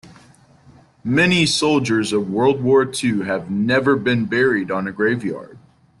Many soldiers of world war two have never been buried on a grave yard.